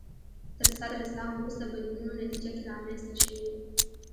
تر صدر اسلام وروسته بدلونونو نتیجه کې رامنځته شوي